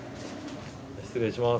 失礼します。